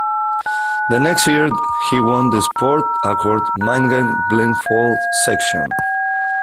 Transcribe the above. The next year he won the Sport Accord Mindgames Blindfold section.